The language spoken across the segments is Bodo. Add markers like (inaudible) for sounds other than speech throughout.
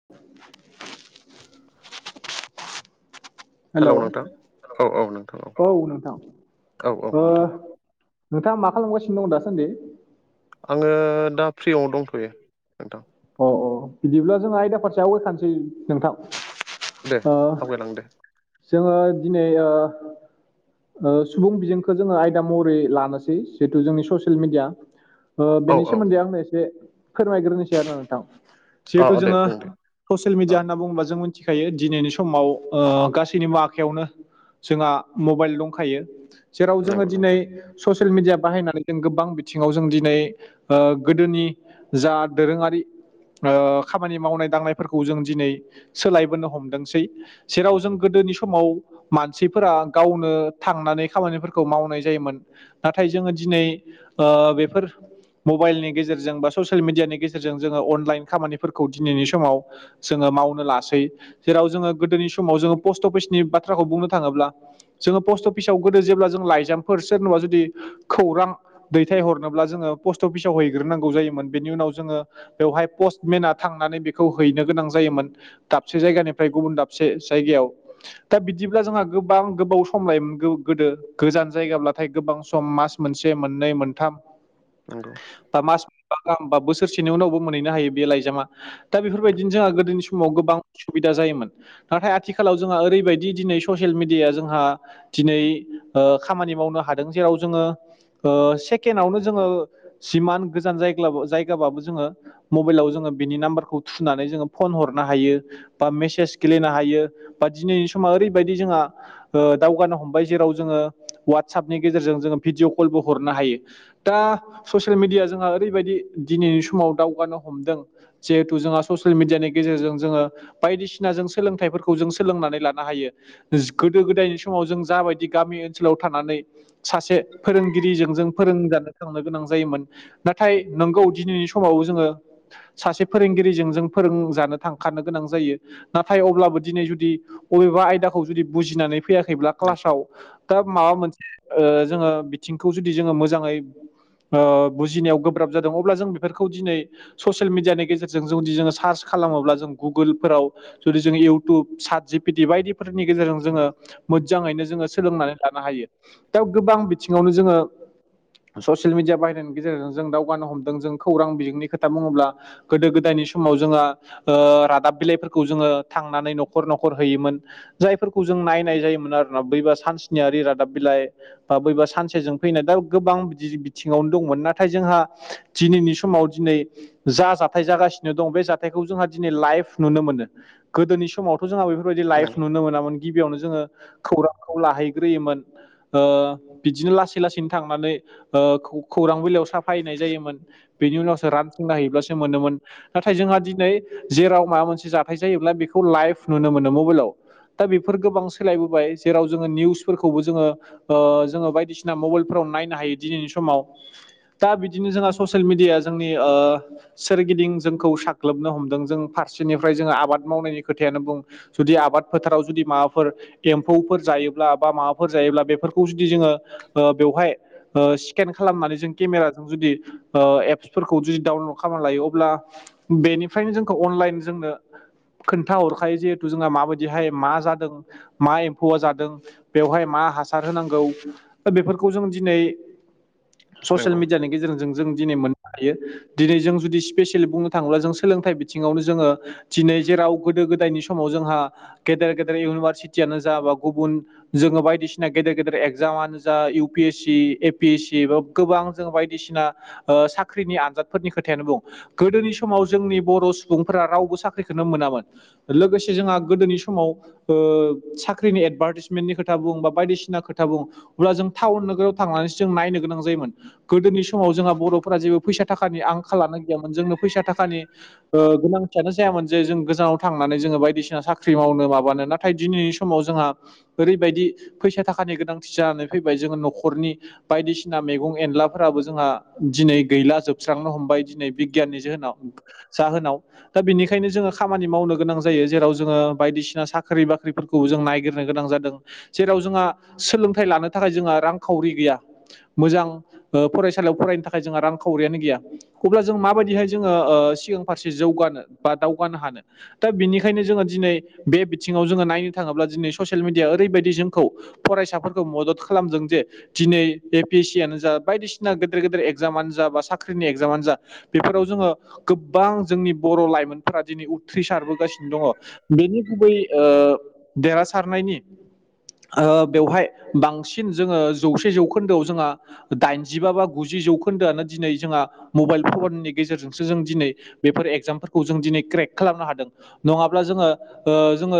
(inaudible) हेलौ नोंथां औ औ नोंथां औ। औ नोंथां औ औ नोंथां नोंथाङा मा खालामगासिनो दं दासान्दि। आङो दा फ्रियावनो दंथ'यो नोंथां। अ अ बिदिब्ला जों आयदा फारसे आवगायखानोसै दे नोंथां। ओ आवगायलां दे जोङो दिनै ओ ओ सुबुं बिजोंखौ जोङो आयदा महरै लानोसै जिहेथु जोंनि ससियेल मिडिया ओ औ बेनि औ सोमोन्दै आंनो एसे फोरमायग्रोनोसै आरो नोंथां अ जिहेथु अ दे जोङो। बुं दे ससियेल अ मिडिया होनना बुङोबा जों मिथिखायो दिनैनि समाव गासैनिबो आखायावनो जोंहा मबाइल दंखायो जेराव जोङो नंगौ दिनै नोंथां ससियेल मिडिया बाहायनानै जों गोबां बिथिङाव जों दिनै ओ गोदोनि जा दोरोङारि खामानि मावनाय दांनायफोरखौ जों दिनै सोलायबोनो हमदोंसै। जेराव जों गोदोनि समाव। मानसिफोरा गावनो थांनानै खामानिफोरखौ मावनाय जायोमोन। नाथाय जोङो दिनै बेफोर मबाइलनि गेजेरजों बा ससियेल मिडियानि गेजेरजों जोङो अनलाइन खामानिफोरखौ दिनैनि समाव जोङो मावनो लासै जेराव जोङो गोदोनि समाव जोङो पस्ट अफिसनि बाथ्राखौ बुंनो थाङोब्ला। जोङो पस्ट अफिसाव गोदो जेब्ला जों लाइजामफोर सोरनोबा जुदि खौरां। दैथाय हरनोब्ला जोङो पस्ट अफिसाव हैग्रोनांगौ जायोमोन बेनि उनाव जोङो बेवहाय पस्टमेना थांनानै बेखौ हैनो गोनां जायोमोन दाबसे जायगानिफ्राय गुबुन दाबसे जायगायाव। दा बिदिब्ला जोंहा गोबां गोबाव सम लायोमोन गोदो गोजान जायगाब्लाथाय गोबां सम मास मोनसे मोननै मोनथाम (unintelligible) बा मास मोनबा गाहामबा बोसोरसेनि उनावबो मोनहैनो हायो बे लाइजामा दा नंगौ बेफोरबायदिनो जोंहा गोदोनि समाव गोबां सुबिदा जायोमोन। नाथाय आथिखालाव जोंहा ओरैबायदि दिनै ससियेल मिडियाया जोंहा दिनै ओ खामानि मावनो हादों जेराव जोङो। ओ सेकेण्डआवनो जोङो सिमान गोजान जायग्ला- जायगाबाबो जोङो। मबाइलाव जोङो बिनि नाम्बारखौ थुनानै जोङो फन हरनो हायो। बा मेसेज गेलेनो हायो बा दिनैनि समा ओरैबायदि जोंहा ओ दावगानो हमबाय जेराव जोङो वाटसपनि गेजेरजों जोङो भिडिअ कलबो हरनो हायो। दा ससियेल मिडिया जोंहा ओरैबायदि दिनैनि समाव दावगानो हमदों। जिहेथु जोंहा ससियेल मिडियानि गेजेरजों जोङो। बायदिसिना जों सोलोंथाइफोरखौ जों सोलोंनानै लानो हायो। गोदो गोदायनि समाव जों जाबायदि गामि ओनसोलाव थानानै सासे फोरोंगिरिजों जों फोरोंजानो थांनो गोनां जायोमोन। नाथाय नोंगौ दिनैनि समाव जोङो। सासे फोरोंगिरिजों जों फोरोंजानो थांखानो गोनां जायो। नाथाय अब्लाबो दिनै जुदि अबेबा आयदाखौ जुदि बुजिनानै फैयाखैब्ला क्लासाव दा माबा मोनसे ओ जोङो बिथिंखौ जुदि जोङो मोजाङै ओ बुजिनायाव गोब्राब जादों अब्ला जों बेफोरखौ दिनै ससियेल मिडियानि गेजेरजों जों जुदि जोङो सार्च खालामोब्ला जों गुगोलफोराव जुदि जोङो इउटुब सार जिपिटि बायदिफोरनि गेजेरजों जोङो नंगौ मोजाङैनो जोङो सोलोंनानै लानो हायो दा गोबां बिथिङावनो जोङो ससियेल मिडिया भाइरेलनि गेजेरजों जों दावगानो हमदों जों खौरां बिजोंनि खोथा बुङोब्ला गोदो गोदायनि समाव जोंहा ओ रादाब बिलाइफोरखौ जोङो थांनानै न'खर न'खर हैयोमोन जायफोरखौ जों नायनाय जायोमोन आरोना बैबा सानसनियि रादाब बिलाइ बा बैबा सानसेजों फैनाय दा गोबां बि बिथिङावनो दंमोन नाथाय जोंहा दिनैनि समाव दिनै जा जाथाय जागासिनो दं बे जाथायखौ जोंहा दिनै लाइफ नुनो मोनो गोदोनि सम समावथ' जोंहा बेफोरबायदि लाइफ नंगौ नुनो मोनामोन गिबियावनो जोङो खौरांखौ लाहैग्रोयोमोन। बिदिनो लासै लासैनो थांनानै खौरां बिलाइयाव साफायैनाय जायोमोन। बेनि उनावसो रान थंना हैयोब्लासो मोनोमोन। नाथाय जोंहा दिनै जेराव माबा मोनसे जाथाय जायोब्ला बेखौ लाइभ नुनो मोनो मबाइलाव दा बेफोर गोबां सोलायबोबाय जेराव जोङो निउसफोरखौबो जोङो। जोङो बायदिसिना मबाइलफोराव नायनो हायो दिनैनि समाव दा बिदिनो जोंहा ससियेल मिडिया जोंनि सोरगिदिं जोंखौ साग्लोबनो हमदों जों फारसेनिफ्राय जों आबाद मावनायनि खोथायानो बुं जुदि आबाद फोथाराव जुदि माबाफोर एम्फौफोर जायोब्ला बा माबाफोर जायोब्ला बेफोरखौ जुदि जोङो बेवहाय ओ स्केन खालामनानै जों केमेराजों जुदि एपसफोरखौ जुदि डाउनलड खालाम लायो अब्ला बेनिफ्रायनो जोंखौ अनलाइन जोंनो खोन्थाहरखायो जिहेथु जोंहा माबायदिहाय मा जादों मा एम्फौआ जादों। बेवहाय मा हासार होनांगौ बेफोरखौ जों दिनै ससियेल नंगौ मिडियानि गेजेरजों जों दिनै मोननो हायो। दिनै जों जुदि स्पेसियेलि बुंनो थाङोब्ला जों सोलोंथाइ बिथिङावनो जोङो दिनै जेराव गोदो गोदायनि समाव जोंहा गेदेर गेदेर इउनिभारसिटियानो जाबा गुबुन जोङो बायदिसिना गेदेर गेदेर एगजामानो जा U P S C A P S C बा गोबां जों बायदिसिना साख्रिनि आनजाद फोरनि खोथायानो बुं गोदोनि समाव जोंनि बर' सुबुंफोरा रावबो साख्रिखौनो मोनामोन। लोगोसे जोंहा गोदोनि समाव साख्रिनि एडभार्टिसमेन्टनि खोथा बुं बा बायदिसिना खोथा बुं अब्ला जों टाउन नोगोराव थांनानैसो जों नायनो गोनां जायोमोन गोदोनि समाव जोंहा बर'फोरा जेबो फैसा थाखानि आंखाल लानो गैयामोन जोंनो फैसा थाखानि गोनांथियानो जायामोन जे जों गोजानाव थांनानै जोङो बायदिसिना साख्रि मावनो माबानो ना नाथाय दिनैनि समाव जोंहा ओरैबायदि फैसा थाखानि गोनांथि जानानै फैबाय जोङो न'खरनि बायदिसिना मैगं एनलाफोराबो जोंहा दिनै गैला सुस्रांनो हमबाय दिनै बिगियाननि जाहोनाव जाहोनाव दा बेनिखायनो जोङो खामानि मावनो गोनां जायो जेराव जोङो बायदिसिना साख्रि बाख्रिफोरखौ खौ जों नायगिरनो गोनां जादों जेराव जोंहा सोलोंथाइ लानो थाखाय जोंहा रांखावरि गैया मोजां फरायसालियाव फरायनो थाखाय जोंहा रांखावरियानो गैया अब्ला जों माबायदिहाय जोङो सिगां फारसे जौगानो बा दावगानो हानो दा बिनिखायनो जोङो दिनै बे बिथिङाव जोङो नायनो थाङोब्ला दिनै ससियेल मिडिया ओरैबायदि जोंखौ फरायसाफोरखौ मदद खालामदों जे दिनै ए पि एस सियनो जा बायदिसिना गेदेर गेदेर एग्जामानो जा बा साख्रिनि एग्जामानो जा बेफोराव जोङो गोबां जोंनि बर' लाइमोनफोरा दिनै उथ्रिसारबोगासिनो दङ बेनि गुबै देरहासारनायनि ओ बेवहाय बांसिन जोङो जौसे जौखोन्दोआव जोंहा दाइनजिबा बा गुजि जौखोन्दोआनो दिनै जोंहा मबाइल फननि गेजेरजोंसो जों दिनै बेफोर एगजामफोरखौ जों दिनै क्रेक खालामनो हादों नङाब्ला जोङो ओ जोङो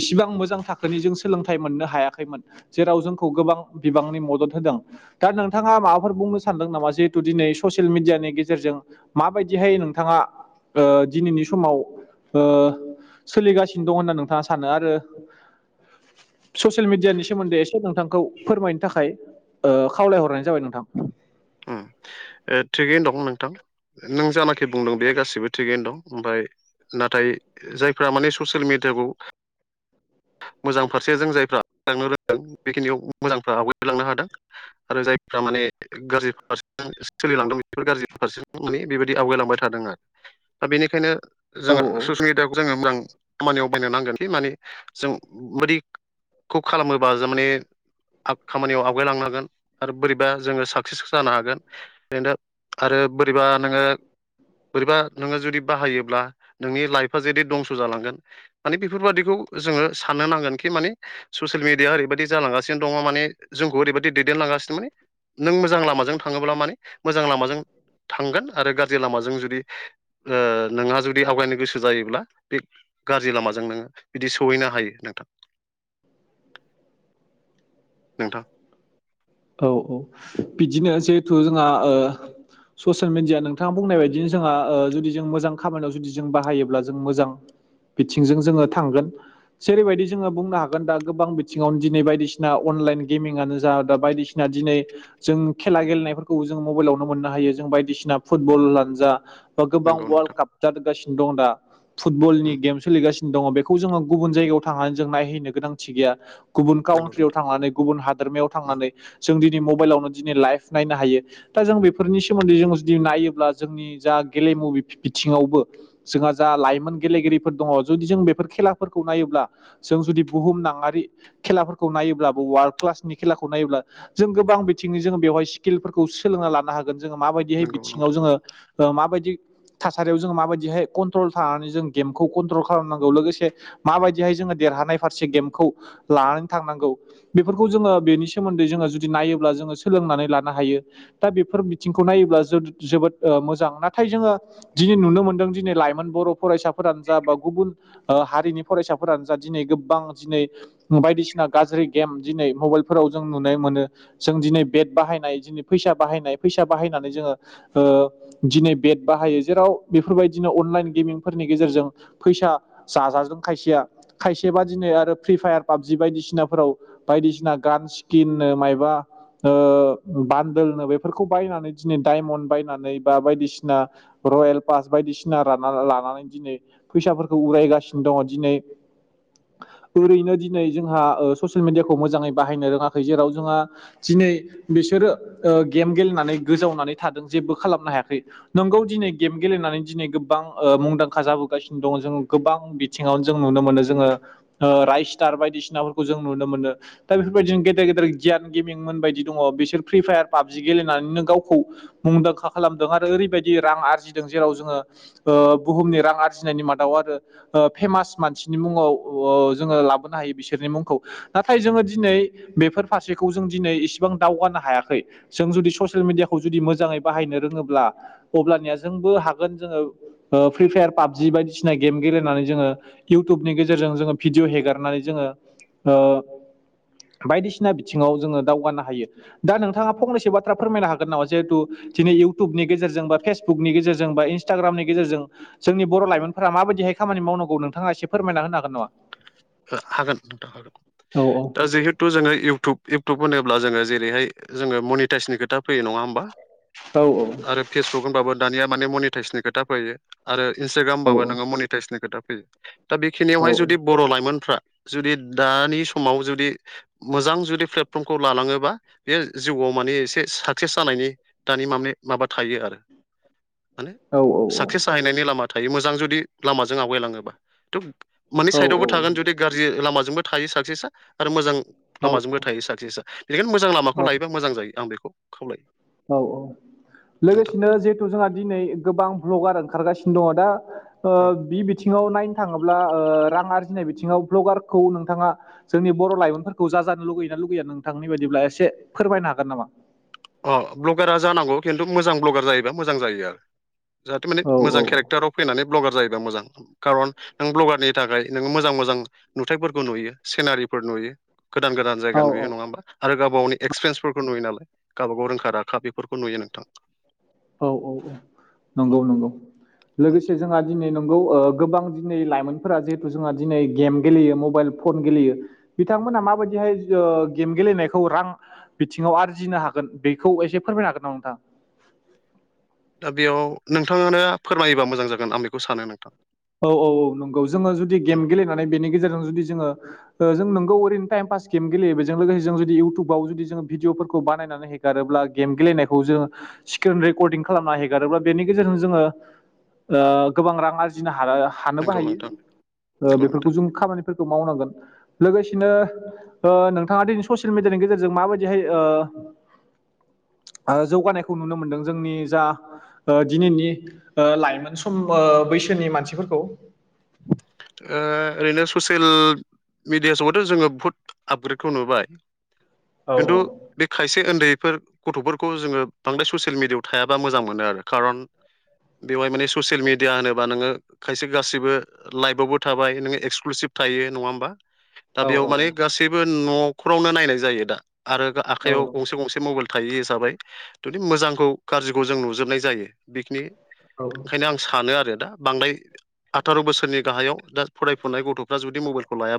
इसिबां मोजां थाखोनि जों सोलोंथाइ मोननो हायाखैमोन जेराव जोंखौ गोबां बिबांनि मदद होदों दा नोंथाङा माबाफोर बुंनो सानदों नामा जिहेथु दिनै ससियेल मेडियानि गेजेरजों माबायदिहाय नोंथाङा ओ दिनैनि समाव ओ सोलिगासिनो दं होनना नोंथाङा सानो आरो ससियेल मिडियानि सोमोन्दै एसे नोंथांखौ फोरमायनो थाखाय ओ खावलायहरनाय जाबाय नोंथां थिगैनो दं नोंथां नों जानाखि बुंदों बे गासिबो थिगैनो दं ओमफ्राय नाथाय जायफ्रा माने ससियेल मेडियाखौ मोजां फारसे जों जायफ्रा आवगालांनो रोंदों बेखिनियाव मोजांफ्रा आवगायबोलांनो हादों आरो जायफोरा माने गाज्रि फारसे सोलिलांदों बि गाज्रि फारसे माने बेबायदि बिदि आवगायलांबाय थादों आरो दा बेनिखायनो औ जोङो ससियेल मिडियाखौ जोङो मोजां खामानियाव बायनो नांगोनदि माने जों बोरै खौ खालामोबा जों माने खामानियाव आवगायलांनो हागोन आरो बोरैबा जोङो साक्सेस जानो हागोन ओरैनो आरो बोरैबा नोङो बोरैबा नोङो जुदि बाहायोब्ला नोंनि लाइफआ जुदि दंस जालांगोन माने बेफोरबादिखौ जोङो साननो नांगोनखि माने ससियेल मिडिया ओरैबायदि जालांगासिनो दङ माने जोंखौ ओरैबायदि दैदेनलांगासिनो माने नों जों थाङोब्ला माने मोजां लामाजों थांगोन आरो गारजि लामजों जुदि ओ नोंहा जुदि आवगायनो गोसो जायोब्ला बे गाज्रि लामाजों नोङो बिदि सहैनो हायो नोंथां नोंथां औ औ बिदिनो जिहेथु जोंहा ओ ससियेल मिडिया नोंथाङा बुंनाय बायदिनो जोंहा जुदि जों मोजां खामानियाव जुदि जों बाहायोब्ला जों मोजां बिथिंजों जोङो थांगोन जेरैबायदि जोङो बुंनो हागोन हागोन दा गोबां बिथिङावनो दिनै बायदिसिना अनलाइन गेमिंआनो जा दा बायदिसिना दिनै जों खेला गेलेनायफोरखौबो जों मबाइलावनो मोननो हायो जों बायदिसिना फुटबलानो जा बा गोबां नंगौ वर्ल्ड नोंथां काप जादोगासिनो दं दा फुटबलनि उम गेम सोलिगासिनो दङ बेखौ जोङो गुबुन जायगायाव थांनानै जों नायहैनो गोनांथि गैया गुबुन नंगौ काउन्ट्रियाव नोंथां थांनानै गुबुन हादोरमायाव उम थांनानै जों दिनै मबाइलावनो दिनै लाइभ नायनो हायो दा जों बेफोरनि सोमोन्दै जों जुदि नायोब्ला जोंनि जा गेलेमु बिथिङावबो जोंहा जा लाइमोन गेलेगिरिफोर दङ जुदि जों बेफोर खेलाफोरखौ नायोब्ला जों जुदि बुहुमनााङारि खेलाफोरखौ नायोब्लाबो वार्लड क्लासनि खेलाखौ नायोब्ला जों गोबां बिथिंङै जोङो बेवहाय स्किलफोरखौ सोलोंना लानो हागोन जोङो माबायदिहाय नंगौ बिथिङाव नोंथां जोङो माबायदि थासारियाव जों माबायदिहाय कन्ट्रल थानानै जों गेमखौ कन्ट्रल खालामनांगौ लोगोसे माबायदिहाय जोङो देरहानाय फारसे गेमखौ लानानै थांनांगौ बेफोरखौ जोङो बेनि सोमोन्दै जोङो जुदि नायोब्ला जोङो सोलोंनानै लानो हायो दा बेफोर बिथिंखौ नायोब्ला जोबोद मोजां नाथाय जोङो दिनै नुनो मोन्दों दिनै लाइमोन बर' फरायसाफोरानो जा बा गुबुन हारिनि फरायसाफोरानो जा दिनै गोबां दिनै बायदिसिना गाज्रि गेम दिनै मबाइलफोराव जों नुनाय मोनो जों दिनै बेट बाहायनाय दिनै फैसा बाहायनाय फैसा बाहायनानै जोङो ओ दिनै बेट बाहायो जेराव बेफोरबायदिनो अनलाइन गेमिंफोरनि गेजेरजों फैसा जाजाजों खायसेया एबा दिनोै आरो फ्रि फायार पाबजि बायदिसिनाफोराव बायदिसिना गान स्किननो मबा ओ बान्दोलनो बेफोरखौ बायनानै दिनै डायमन्ड बायनानै बा बायदिसिना रयेल पास बायदिसिना राना लानानै दिनै फैसाफोरखौ उरायगासिनो दङ दिनै ओरैनो दिनै जोंहा ससियेल मिडियाखौ मोजाङै बाहायनो रोङाखै जेराव जोंहा दिनै बिसोरो गेम गेलेनानै गोजावनानै थादों जेबो खालामनो हायाखै। नोंगौ दिनै गेम गेलेनानै दिनै गोबां मुंदांखा जाबोगासिनो दङ जों गोबां बिथिङावनो जों नुनो मोनो जोङो राइसटार बायदिसिनाफोरखौ जों नुनो मोनो। दा बेफोरबायदिनो गेदेर गेदेर गियान गेमिंमोन बायदि दङ बिसोर फ्रि फायार पाबजि गेलेनानैनो गावखौ मुंदांखा खालामदों आरो ओरैबायदि रां आरजिदों जेराव जोङो बुहुमनि रां आरजिनायनि मादाव आरो फेमास मानसिनि मुङाव जोङो लाबोनो हायो बिसोरनि मुंखौ। नाथाय जोङो दिनै बेफोर फारसेखौ जों दिनै इसिबां दावगानो हायाखै। जों जुदि ससियेल मिडियाखौ जुदि मोजाङै बाहायनो रोङोब्ला अब्लानिया जोंबो हागोन जोङो फ्रि फायार पाबजि बायदिसिना गेम गेलेनानै जोङो इउटुबनि गेजेर गेजेरजों जोङो भिडि' हेगारनानै जोङो ओ बायदिसिना बिथिङाव जोङो दावगानो हायो। दा नोंथाङा फंनैसो बाथ्रा फोरमायनो हागोन नामा जिहेथु दिनै इउटुबनि गेजेरजों बा फेस बुकनि गेजेरजों बा इन्स्टाग्रामनि गेजेरजों जोंनि बर' लाइमोनफोरा माबायदिहाय खामानि मावनांगौ नोंथाङा एसे फोरमायना होनो हागोन नामा? हागोन नोंथां हागोन औ दा जिहेत थु जोङो इउटुब इउटुब होनोब्ला जोङो जेरैहाय जोङो मनिटाइसनि खोथा फैयो नङा होम बा आरो फेसबुक होनबाबो दानिया माने मनिताइसनि खोथा फैयो। आरो इन्सटाग्राम औ बाबो नोङो मनिटाइसनि खोथा फैयो दा औ बेखिनियावहाय जुदि बर' लाइमोन फ्रा जुदि दानि समाव जुदि मोजां जुदि प्लेटफर्मखौ लालाङोबा बे जिउआव माने एसे साक्सेस जानायनि दानि मानि माबा थायो आरो (inaudible) माने औ साक्सेस जाहैनायनि लामा थायो मोजां जुदि लामाजों आवगायलाङोबा थ' मोननै साइडआवबो थागोन जुदि गाज्रि लामाजोंबो थायो साक्सेसा आरो मोजां औ लामाजोंबो थायो साैसा बेनिखायनो मोजां लामाखौ औ लायोबा मोजां जायो आं बेखौ खावलायो। औ औ नोंथां लोगोसेनो जिहेथु जोंहा दिनै गोबां भ्लगार ओंखारगासिनो दङ दा औ बि बिथिङाव नायनो थाङोब्ला रां आरजिनाय बिथिङाव भ्लगारखौ नोंथाङा जोंनि बर' लाइमोनफोरखौ जाजानो लुगैयोना लुगैया नोंथांनि बायदिब्ला एसे फोरमायनो हागोन नामा? अ ब्लगारा जानांगौ खिन्थु मोजां ब्लगार जायोबा मोजां जायो आरो जाहाथे माने औ औ मोजां केरेक्टाराव फैनानै ब्लगार जायोबा मोजां। खारन नों ब्लगारनि थाखाय नोङो मोजां मोजां नुथायफोरखौ नुयो सिनारिफोर नुयो। गोदान गोदान औ जायगा नुयो नङा होमबा आरो गावबा गावनि एक्सपिरिन्सफोरखौ नुयो नालाय। गावबा गाव रोंखा राखा बेफोरखौ नुयो नोंथां। औ औ औ नंगौ नंगौ लोगोसे जोंहा दिनै नंगौ गोबां दिनै लाइमोनफोरा जिहेथु जोंहा दिनै गेम गेलेयो मबाइल फन गेलेयो बिथांमोनहा माबायदिहाय गेम गेलेनायखौ रां बिथिङाव आरजिनो हागोन बेखौ एसे फोरमाय हागोन नामा नोंथां? दा बेयाव नोंथाङानो फोरमायोबा मोजां जागोन आं बेखौ सानो नोंथां। औ-औ-औ नंगौ जोङो जुदि उम, गेम गेलेनानै बेनि गेजेरजों जुदि जोङो जों नोंगौ ओरैनो टाइमपास गेम गेलेयो बेजों लोगोसे जों जुदि इउटुबाव जुदि जोंङो भिदिअफोरखौ बानायनानै हे गारोब्ला गेम गेलेनायखौ जोङो स्क्रिन रेकर्डदिं खालामना हेगारोब्ला बेनि गेजेरजों जोङो ओ गोबां रां आरजिनो हा हानोबो नंगौ नोंथां हायो नंगौ नोंथां बेफोरखौ जों खामानि फोरखौ मावनांगोन लोगोसेनो नोंथाङा दिनै ससियेल मिडियानि गेजेरजों माबायदिहाय ओ जौगानायखौ नुनो मोन्दों जोंनि जा ओ दिनैनि ओ लाइमोन सम बैसोनि मानसिफोरखौ ओ ओरैनो ससियेल मिडिया समावथ' जोङो बुहुद आपग्रेडखौ नुबाय औ खिन्थु बे खायसे उन्दैफोर गथ'फोरखौ जोङो बांद्राय ससियेल मिडियाव थायाबा मोजां मोनो आरो खारन बेवहाय माने। ससियेल मिडिया होनोबा नोङो खायसे गासिबो लाइभआवबो थाबाय नोङो एक्सक्लुसिभ थायो नङा होमबा दा बेयाव औ माने औ गासै बो न'खरावनो नाय जायो दा आरो औ आखायाव गंसे गंसे मबाइल थायो हिसाबै जुदि मोजांखौ गाज्रिखौ जों नुजोबनाय जायो बेखिनि औ ओंखायनो आं सानो आरो दा बांद्राय आथार' बोसोरनि गाहायाव दा फरायफुनाय गथ'फ्रा जुदि मबाइलखौ लायाबा